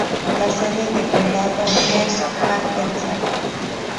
La sede de condado es Hackensack.